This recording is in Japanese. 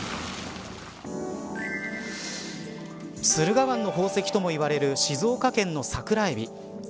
駿河湾の宝石ともいわれる静岡県のサクラエビ。